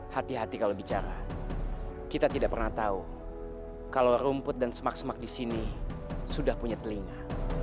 hati hati kalau bicara kita tidak pernah tahu kalau rumput dan semak semak di sini sudah punya telinga